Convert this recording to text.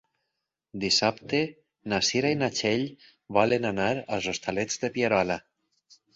Dissabte na Cira i na Txell volen anar als Hostalets de Pierola.